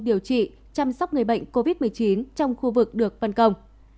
điều trị chăm sóc người bệnh covid một mươi chín trong khu vực được phân công